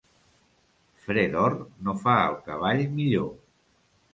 Fre d'or no fa el cavall millor.